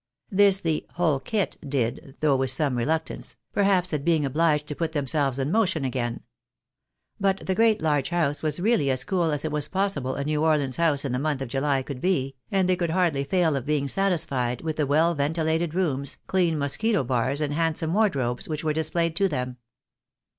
This the " whole kit" did, though with some reluctance, perhaps at being obhged to put themselves in motion again. But the great large house was really as cool as it was possible a New Orleans house in the month of July could be, and they could hardly fail of being satisfied with the well ventilated rooms, clean mosquito bars and handsome wardrobes, which were displayed to them.